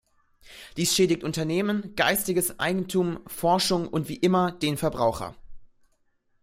Dies schädigt Unternehmen, geistiges Eigentum, Forschung und wie immer den Verbraucher.